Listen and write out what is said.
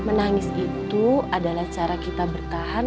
menangis itu adalah cara kita bertahan